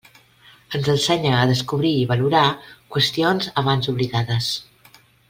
Ens ensenya a descobrir i valorar qüestions abans oblidades.